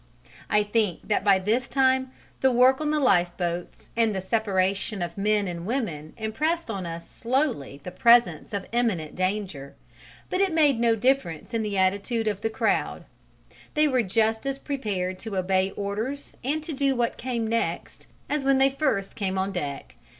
I think that by this time the work on the lifeboats and the separation of men and women impressed on us slowly the presence of imminent danger, but it made no difference in the attitude of the crowd: they were just as prepared to obey orders and to do what came next as when they first came on deck.